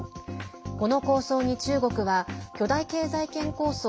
この構想に中国は巨大経済圏構想